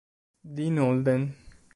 Dean Holden